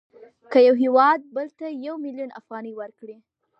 که یو هېواد بل ته یو میلیون افغانۍ ورکړي